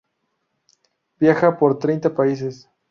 Viaja por treinta países.